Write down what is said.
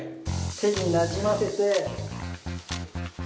手になじませて。